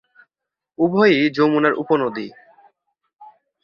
উভয়ই যমুনার উপ নদী।